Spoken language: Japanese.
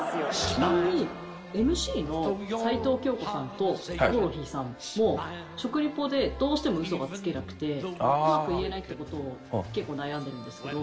ちなみにＭＣの齊藤京子さんとヒコロヒーさんも食リポでどうしてもウソがつけなくてうまく言えないって事を結構悩んでるんですけど。